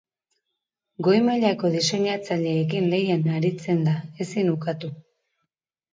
Goi mailako diseinatzaileekin lehian aritzen da ezin ukatu.